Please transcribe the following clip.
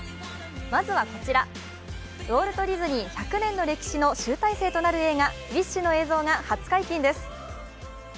まずはこちら、ウォルト・ディズニー１００年の集大成となる映画「ウィッシュ」の映像が初解禁です。